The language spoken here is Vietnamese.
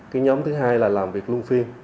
cái nhóm thứ hai là làm việc lung phiên